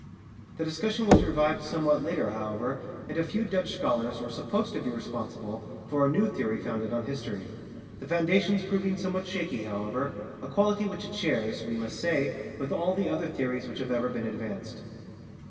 The discussion was revived somewhat later, however, and a few Dutch scholars were supposed to be responsible for a new theory founded on history; the foundations proving somewhat shaky, however,—a quality which it shares, we must say, with all the other theories which have ever been advanced.